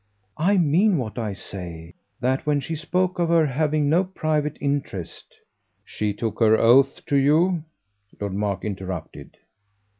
"I mean what I say: that when she spoke of her having no private interest " "She took her oath to you?" Lord Mark interrupted.